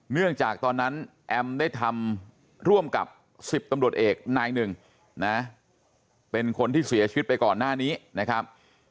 เนื่องจากตอนนั้นแอมได้ทำร่วมกับ๑๐ตำรวจเอกนายหนึ่งนะเป็นคนที่เสียชีวิตไปก่อนหน้านี้นะครับ